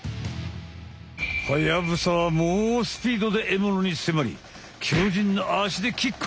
ハヤブサはもうスピードでエモノにせまりきょうじんなあしでキック！